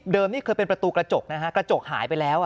นี่เคยเป็นประตูกระจกนะฮะกระจกหายไปแล้ว